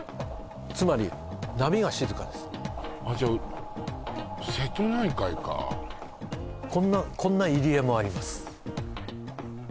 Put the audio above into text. つまりあっじゃあ瀬戸内海かこんな入り江もあります